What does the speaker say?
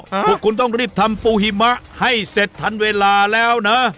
พวกคุณต้องรีบทำปูหิมะให้เสร็จทันเวลาแล้วนะ